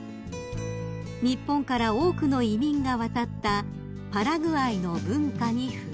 ［日本から多くの移民が渡ったパラグアイの文化に触れ］